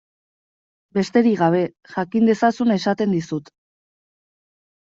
Besterik gabe, jakin dezazun esaten dizut.